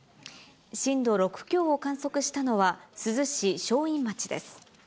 震度６強を観測したのは、珠洲市正院町です。